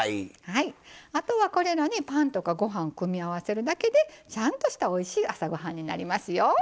あとは、これらにパンとかご飯を組み合わせるだけでちゃんとしたおいしい朝ごはんになりますよ。